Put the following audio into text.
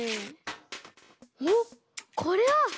おっこれは！？